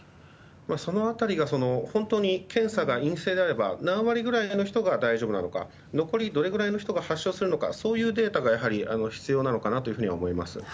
その辺りが本当に検査が陰性であれば何割くらいの人が大丈夫なのか残りどれくらいの人が発症するのかそういうデータが必要なのかなとは思います。